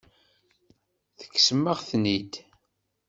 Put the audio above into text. Tekksem-aɣ-ten-id.